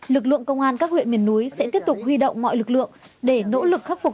lực lượng công an các huyện miền núi sẽ tiếp tục huy động mọi lực lượng để nỗ lực khắc phục